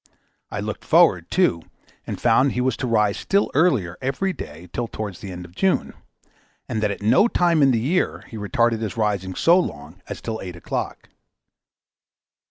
I looked forward, too, and found he was to rise still earlier every day till towards the end of June; and that at no time in the year he retarded his rising so long as till eight o'clock.